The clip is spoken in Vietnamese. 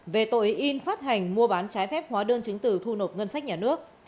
về tội in phát hành mua bán trái phép hóa đơn chứng từ thu nộp ngân sách nhà nước